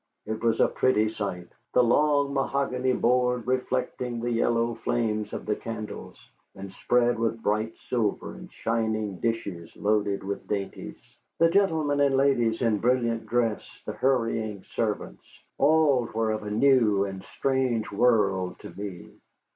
It was a pretty sight. The long mahogany board reflecting the yellow flames of the candles, and spread with bright silver and shining dishes loaded with dainties, the gentlemen and ladies in brilliant dress, the hurrying servants, all were of a new and strange world to me.